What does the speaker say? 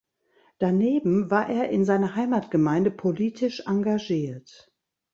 Daneben war er in seiner Heimatgemeinde politisch engagiert.